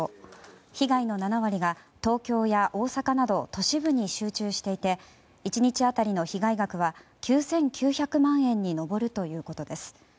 被害の７割が東京や大阪など都市部に集中していて１日当たりの被害額は９９００万円に上るということです。